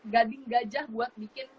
gading gajah buat bikin